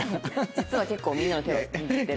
実は結構みんなの手を握ってる。